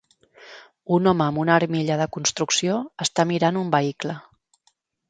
Un home amb una armilla de construcció està mirant un vehicle.